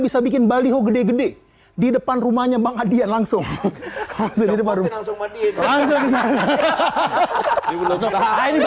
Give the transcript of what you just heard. bisa bikin baliho gede gede di depan rumahnya bang hadian langsung langsung hahaha hahaha hahaha